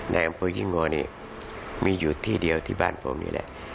ในอำเภอยิ่งงัวนี่มีอยู่ที่เดียวที่บ้านผมนี่แหละ